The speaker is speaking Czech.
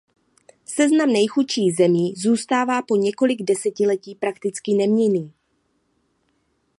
Seznam nejchudších zemí zůstává po několik desetiletí prakticky neměnný.